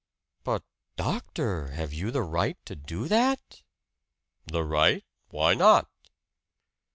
"But, doctor, have you the right to do that?" "The right? Why not?"